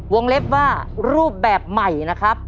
วงเล็บว่ารูปแบบใหม่นะครับ